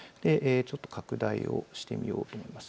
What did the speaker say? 拡大をしてみようと思います。